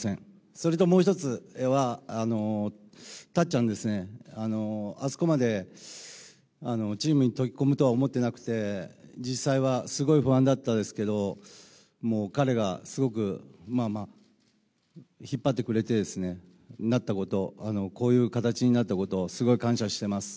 それともう１つは、たっちゃんですね、あそこまでチームに溶け込むとは思ってなくて、実際はすごい不安だったですけど、もう彼がすごく、まあまあ、引っ張ってくれてですね、なったこと、こういう形になったこと、すごい感謝してます。